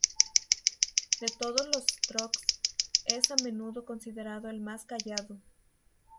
De todos los Strokes, es a menudo considerado el más callado.